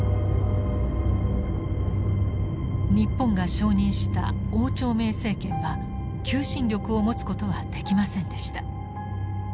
日本が承認した汪兆銘政権は求心力を持つことはできませんでした。